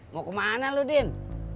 mau kemana lu din